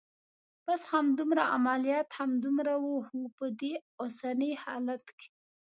بس همدومره؟ عملیات همدومره و؟ هو، په دې اوسني حالت کې.